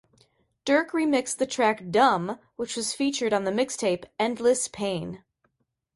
Durk remixed the track "Dum" which was featured on the mixtape "Endless Pain".